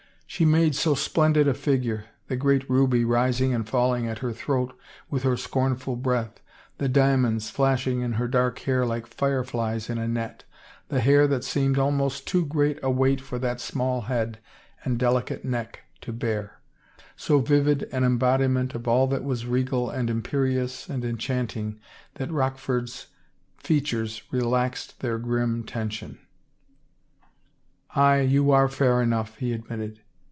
She made so splendid a figure, the great ruby ris ing and falling at her throat with her scornful breath, the diamonds flashing in her dark hair like fireflies in a net, the hair that seemed almost too great a weight for that small head and delicate neck to bear, so vivid an embodiment of all that was regal and imperious and enchanting that Roch ford's features relaxed their grim tension. " Aye, you are fair enough," he admitted.